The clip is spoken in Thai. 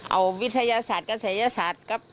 เอาวิทยาศาสตร์กับศาสตร์